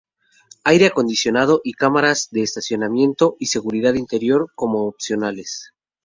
Aire acondicionado y Cámaras de Estacionamiento y Seguridad Interior como opcionales.